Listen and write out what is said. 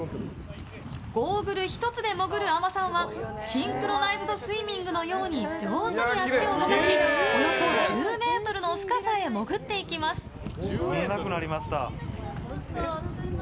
ゴーグル１つで潜る海女さんはシンクロナイズドスイミングのように上手に足を動かしおよそ１０ｍの深さへ見えなくなりました。